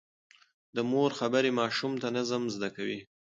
د مور خبرې ماشوم ته نظم زده کوي.